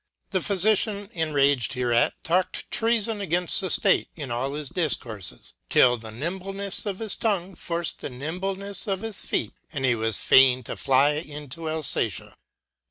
The Phylician enraged her eat talked treafon againfl: the State in all his difcourfes, till the nimblenefleofhis tongue forc'd the nimbleneffe of his. feet, and he was fain to fly into Alfatia.